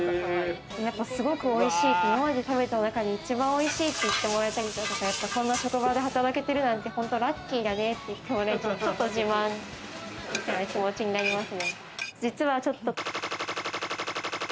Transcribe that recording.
すごくおいしい、今まで食べた中で一番おいしい！って言ってもらえたり、こんな職場で働けてるなんて本当ラッキーだねって、ちょっと自慢みたいな気持ちになります。